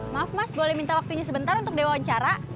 maaf mas boleh minta waktunya sebentar untuk dewa wawancara